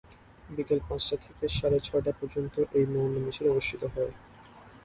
বিকেল পাঁচটা থেকে সাড়ে ছয়টা পর্যন্ত এই মৌন মিছিল অনুষ্ঠিত হয়।